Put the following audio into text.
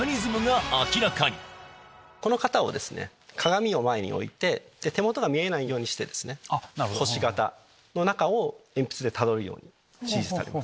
この方を鏡を前に置いて手元が見えないようにして星形の中を鉛筆でたどるように指示してあります。